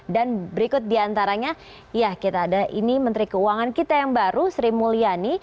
dan berikut diantaranya ya kita ada ini menteri keuangan kita yang baru sri mulyani